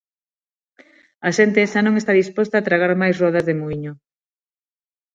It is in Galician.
A xente xa non está disposta a tragar máis rodas de muíño.